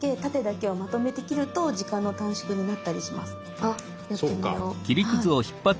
あやってみよう。